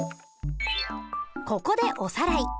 ここでおさらい。